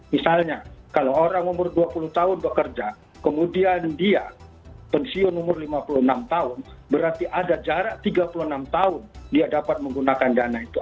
misalnya kalau orang umur dua puluh tahun bekerja kemudian dia pensiun umur lima puluh enam tahun berarti ada jarak tiga puluh enam tahun dia dapat menggunakan dana itu